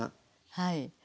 はい。